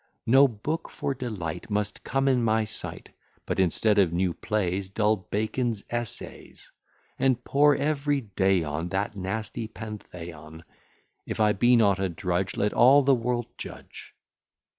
No book for delight Must come in my sight; But, instead of new plays, Dull Bacon's Essays, And pore every day on That nasty Pantheon. If I be not a drudge, Let all the world judge.